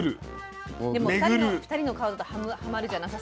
でも２人の顔だとはまるじゃなさそう。